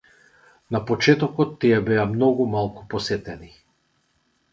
На почетокот тие беа многу малку посетени.